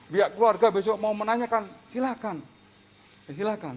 pihak keluarga besok mau menanyakan silahkan